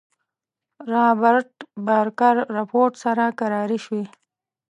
رابرټ بارکر رپوټ سره کراري شوې.